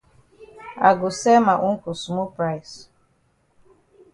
I go sell ma own for small price.